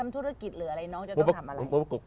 ธุรกิจหรืออะไรน้องจะต้องทำอะไร